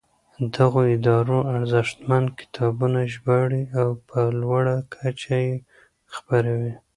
دغو ادارو ارزښتمن کتابونه ژباړي او په لوړه کچه یې خپروي.